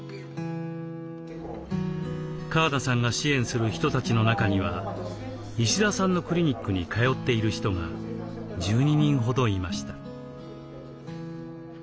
川田さんが支援する人たちの中には西澤さんのクリニックに通っている人が１２人ほどいました。